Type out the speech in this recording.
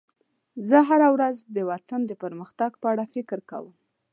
زه هره ورځ د وطن د پرمختګ په اړه فکر کوم.